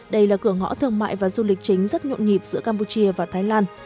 đây là cửa ngõ thương mại và du lịch chính rất nhộn nhịp giữa campuchia và thái lan